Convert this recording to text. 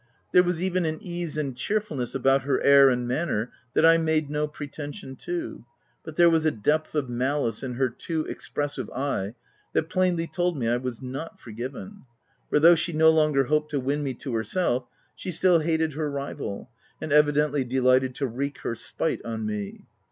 There was even an ease and cheerfulness about her air and manner that I made no pretension to ; but there was a depth of malice in her too expressive eye, that plainly told me I was not forgiven; for, though she no longer hoped to win me to herself, she still hated her rival, and evidently delighted to wreak her spite on me.